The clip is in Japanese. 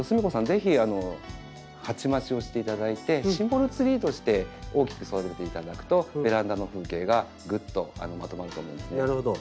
ぜひ鉢増しをしていただいてシンボルツリーとして大きく育てていただくとベランダの風景がぐっとまとまると思うんですね。